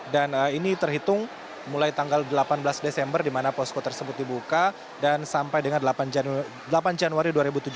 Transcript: dan ini terhitung mulai tanggal delapan belas desember di mana posko tersebut dibuka dan sampai dengan delapan januari dua ribu tujuh belas